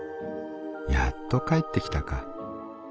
やっと帰ってきたか。